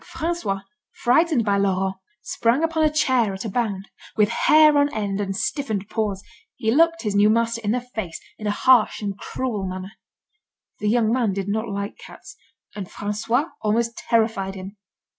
François, frightened by Laurent, sprang upon a chair at a bound. With hair on end and stiffened paws, he looked his new master in the face, in a harsh and cruel manner. The young man did not like cats, and François almost terrified him.